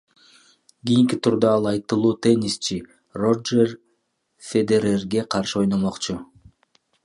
Кийинки турда ал айтылуу теннисчи Рожер Федерерге каршы ойномокчу.